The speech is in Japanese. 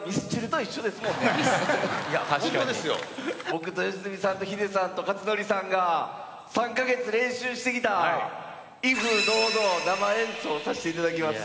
僕と良純さんとヒデさんと克典さんが３カ月練習してきた『威風堂々』を生演奏させて頂きます。